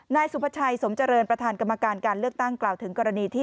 นายสุภาชัยสมเจริญประธานกรรมการการเลือกตั้งกล่าวถึงกรณีที่